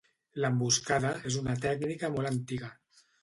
L'emboscada és una tècnica molt antiga.